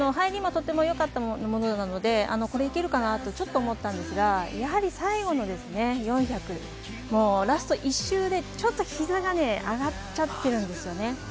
入りはとてもよかったようなので行けるかなとちょっと思ったんですが、やはり最後の４００、ラスト１周でちょっと膝がね、上がっちゃってるんですよね。